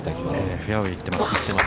◆フェアウェイ行ってます。